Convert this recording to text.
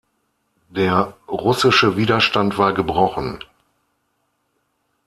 Der russische Widerstand war gebrochen.